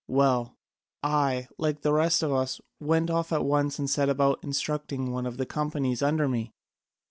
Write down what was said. Well, I, like the rest of us, went off at once and set about instructing one of the companies under me.